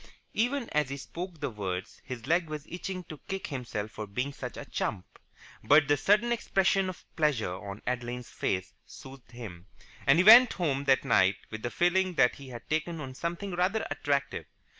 Even as he spoke the words his leg was itching to kick himself for being such a chump, but the sudden expression of pleasure on Adeline's face soothed him; and he went home that night with the feeling that he had taken on something rather attractive.